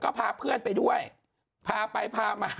ก็พาเพื่อนไปด้วยพาไปพามา